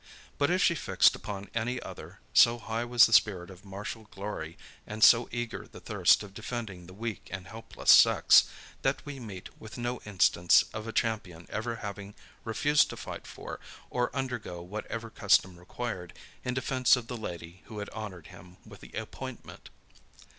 But if she fixed upon any other, so high was the spirit of martial glory, and so eager the thirst of defending the weak and helpless sex, that we meet with no instance of a champion ever having refused to fight for, or undergo whatever custom required, in defence of the lady who had honored him with the appointment.